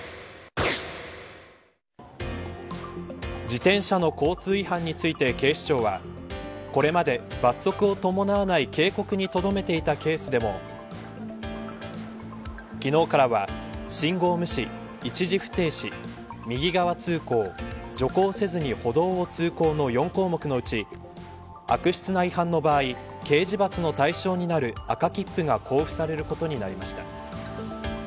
自転車の交通違反について警視庁はこれまで、罰則を伴わない警告に留めていたケースでも昨日からは信号無視、一時不停止右側通行徐行をせずに歩道を通行の４項目のうち悪質な違反の場合刑事罰の対象になる赤切符が交付されることになりました。